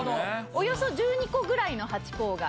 およそ１２個ぐらいのハチ公が。